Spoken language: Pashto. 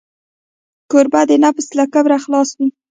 کوربه د نفس له کبره خلاص وي.